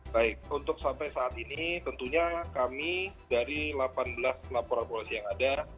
baik untuk sampai saat ini tentunya kami dari delapan belas laporan polisi yang ada